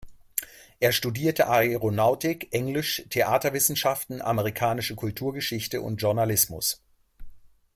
Er studierte Aeronautik, Englisch, Theaterwissenschaften, Amerikanische Kulturgeschichte und Journalismus.